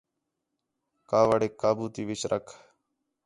کاوڑیک قابو تی وِچ رَکھ